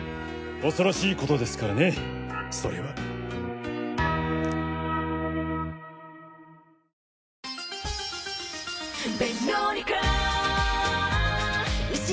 恐ろしい事ですからねそれは。ん！？